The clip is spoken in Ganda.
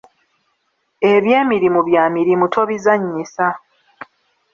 Eby'emirimu bya mirimu tobizannyisa.